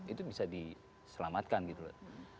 itu bisa diselamatkan gitu loh